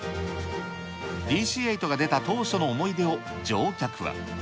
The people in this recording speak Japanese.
ＤＣー８が出た当初の思い出を乗客は。